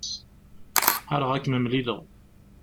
Ḥareɣ ad kem-mlileɣ.